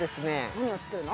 何を作るの？